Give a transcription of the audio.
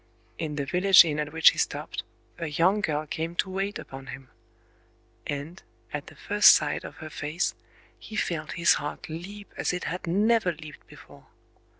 In the village inn at which he stopped, a young girl came to wait upon him; and, at the first sight of her face, he felt his heart leap as it had never leaped before.